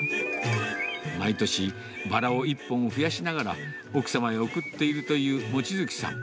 毎年、バラを１本増やしながら奥様へ贈っているという望月さん。